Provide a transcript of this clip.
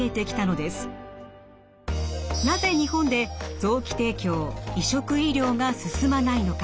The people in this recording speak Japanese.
なぜ日本で臓器提供移植医療が進まないのか。